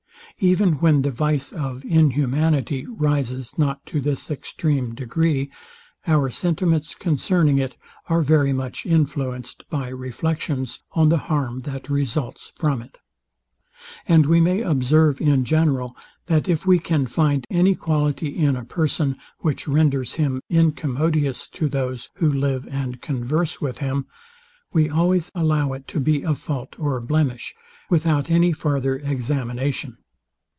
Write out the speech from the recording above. Even when the vice of inhumanity rises not to this extreme degree, our sentiments concerning it are very much influenced by reflections on the harm that results from it. And we may observe in general, that if we can find any quality in a person, which renders him incommodious to those, who live and converse with him, we always allow it to be a fault or blemish, without any farther examination.